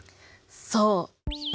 そう。